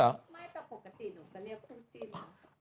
ไม่แต่ปกติหนูก็เรียกคู่จิ้น